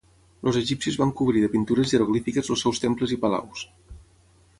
Els egipcis van cobrir de pintures jeroglífiques els seus temples i palaus.